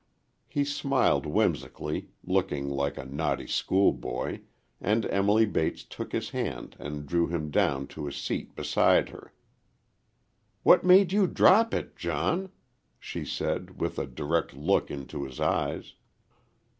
He smiled whimsically, looking like a naughty schoolboy, and Emily Bates took his hand and drew him down to a seat beside her. "What made you drop it, John?" she said, with a direct look into his eyes.